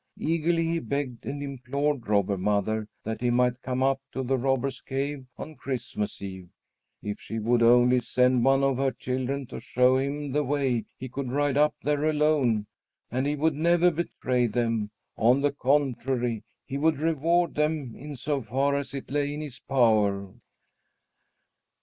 Eagerly he begged and implored Robber Mother that he might come up to the Robbers' Cave on Christmas Eve. If she would only send one of her children to show him the way, he could ride up there alone, and he would never betray them on the contrary, he would reward them, in so far as it lay in his power.